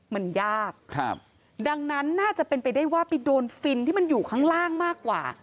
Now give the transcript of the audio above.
มันยากครับดังนั้นน่าจะเป็นไปได้ว่าไปโดนฟินที่มันอยู่ข้างล่างมากกว่า